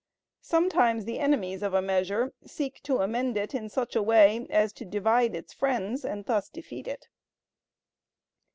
Sometimes the enemies of a measure seek to amend it in such a way as to divide its friends, and thus defeat it.